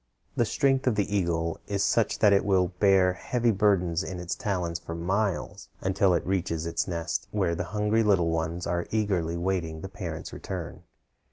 The strength of the eagle is such that it will bear heavy burdens in its talons for miles until it reaches its nest, where the hungry little ones are eagerly waiting the parent's return.